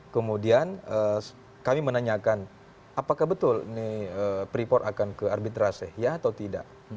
kemudian kami menanyakan apakah betul ini freeport akan ke arbitrase ya atau tidak